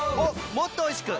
もっとおいしく！